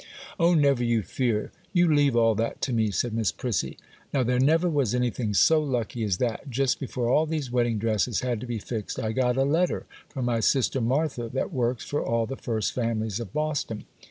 'Oh, never you fear! You leave all that to me,' said Miss Prissy. 'Now, there never was anything so lucky as that, just before all these wedding dresses had to be fixed, I got a letter from my sister Martha, that works for all the first families of Boston.